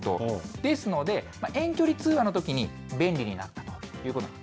ですので、遠距離通話のときに、便利になったということなんです。